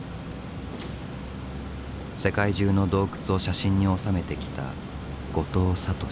世界中の洞窟を写真に収めてきた後藤聡。